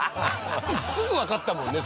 すぐわかったもんね